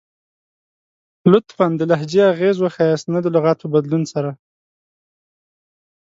لطفاً ، د لهجې اغیز وښایست نه د لغات په بدلون سره!